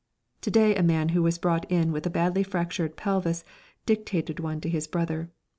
To day a man who was brought in with a badly fractured pelvis dictated one to his brother.